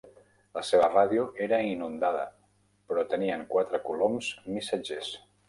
La seva ràdio era inundada però tenien quatre coloms missatgers.